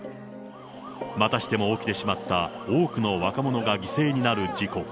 またしても起きてしまった、多くの若者が犠牲になる事故。